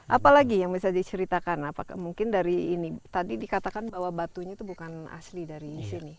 apalagi yang bisa diceritakan apakah mungkin dari ini tadi dikatakan bahwa batunya itu bukan asli dari sini